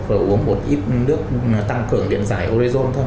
và uống một ít nước tăng cường điện giải orezon thôi